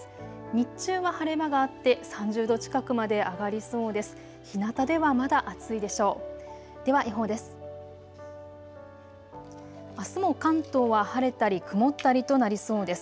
日中は晴れ間があって３０度近くまで上がりそうです。